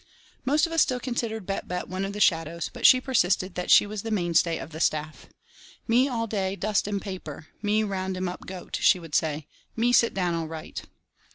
Most of us still considered Bett Bett one of the shadows but she persisted that she was the mainstay of the staff. "Me all day dust 'im paper, me round 'im up goat" she would say. "Me sit down all right".